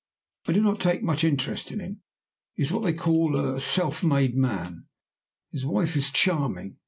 I do not take much interest in him; he is what they call a 'self made man.' His wife is charming.